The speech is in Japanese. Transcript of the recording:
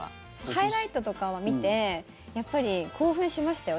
ハイライトとかは見てやっぱり興奮しましたよ。